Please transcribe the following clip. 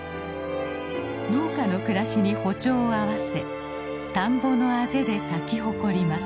農家の暮らしに歩調を合わせ田んぼのあぜで咲き誇ります。